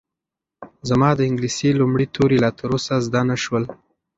زما د انګلیسي لومړي توري لا تر اوسه زده نه شول.